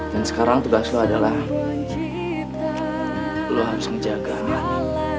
dan sekarang tugas lo adalah lo harus menjaga nani